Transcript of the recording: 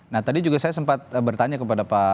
nah tadi juga saya sempat bertanya kepada pak